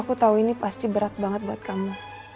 aku tahu ini pasti berat banget buat kamu